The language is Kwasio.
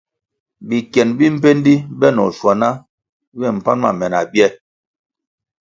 Bikien bi mbpendi benoh schuaná ywe pan me na bie.